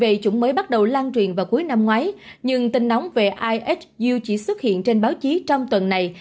về chúng mới bắt đầu lan truyền vào cuối năm ngoái nhưng tin nóng về ihu chỉ xuất hiện trên báo chí trong tuần này